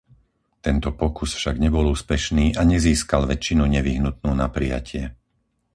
Tento pokus však nebol úspešný a nezískal väčšinu nevyhnutnú na prijatie.